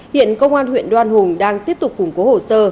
hiện công an huyện đoan hùng đang tiếp tục củng cố hồ sơ